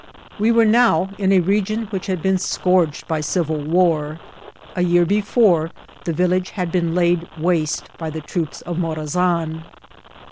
We were now in a region which had been scourged by civil war. A year before the village had been laid waste by the troc^ of Morazan.